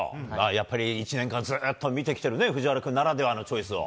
やっぱり１年間ずっと見てきている藤原君ならではのチョイスを。